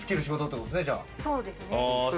そうですね。